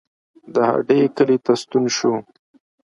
د هډې کلي ته ستون شو.